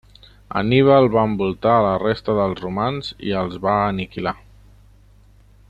Anníbal va envoltar a la resta dels romans i els va aniquilar.